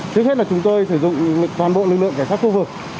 trước hết là chúng tôi sử dụng toàn bộ lực lượng cả các khu vực